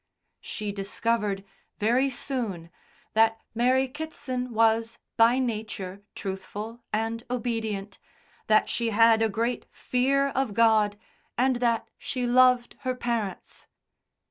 She discovered, very soon, that Mary Kitson was, by nature, truthful and obedient, that she had a great fear of God, and that she loved her parents.